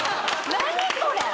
何これ？